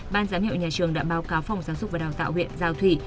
ban giám hiệu nhà trường đã báo cáo phòng giáo dục và đào tạo huyện giao thủy